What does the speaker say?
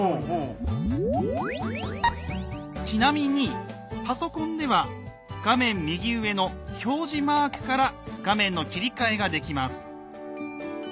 ちなみにパソコンでは画面右上の「表示」マークから画面の切り替えができます。